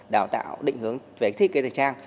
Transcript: đào tạo định hướng về thiết kế thời trang